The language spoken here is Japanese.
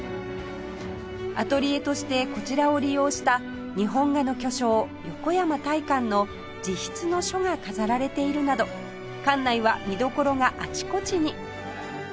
アトリエとしてこちらを利用した日本画の巨匠横山大観の自筆の書が飾られているなど館内は見どころがあちこちに